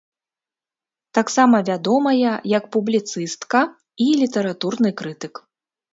Таксама вядомая як публіцыстка і літаратурны крытык.